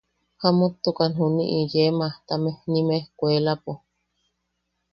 Jamuttukan juniʼi u yee majtame nim ejkuelapo.